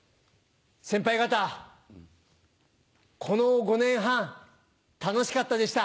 先輩方この５年半楽しかったでした。